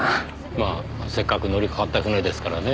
まあせっかく乗りかかった船ですからねぇ